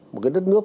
một cái đất nước